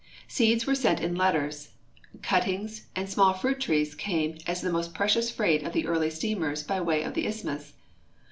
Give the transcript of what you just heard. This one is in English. Seeds were sent in letters; cut tings and small fruit trees came as the most precious freight of the early steamers by way of the isthmus.